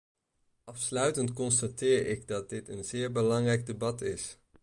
Afsluitend constateer ik dat dit een zeer belangrijk debat is.